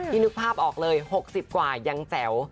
นึกภาพออกเลย๖๐กว่ายังแจ๋ว